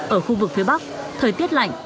ở khu vực phía bắc thời tiết lạnh